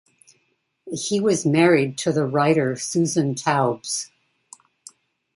He was married to the writer Susan Taubes.